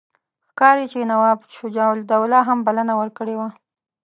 ښکاري چې نواب شجاع الدوله هم بلنه ورکړې وه.